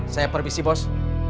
saya permisi bos